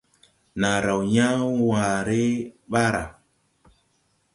Naa raw yãã waare ɓaara.